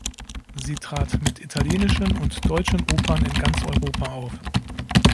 Sie trat mit italienischen und deutschen Opern in ganz Europa auf.